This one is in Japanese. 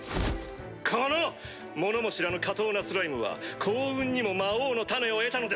この物も知らぬ下等なスライムは幸運にも魔王の種を得たのでしょう。